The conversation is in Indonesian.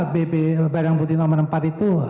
badang putih nomor empat itu